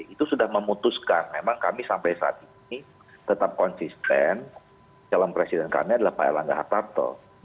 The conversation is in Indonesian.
itu sudah memutuskan memang kami sampai saat ini tetap konsisten calon presiden kami adalah pak erlangga hartarto